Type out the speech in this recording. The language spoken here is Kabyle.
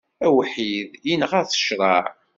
Awḥid, inɣa-t ccṛaɛ.